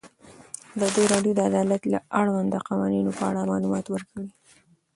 ازادي راډیو د عدالت د اړونده قوانینو په اړه معلومات ورکړي.